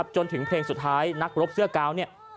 จนถึงเพลงสุดท้ายนักรบเสื้อกาวเนี่ย